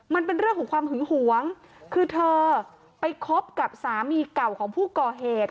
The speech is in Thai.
มันเป็นเรื่องของความหึงหวงคือเธอไปคบกับสามีเก่าของผู้ก่อเหตุ